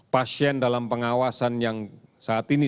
pasien dalam pengawasan yang saat ini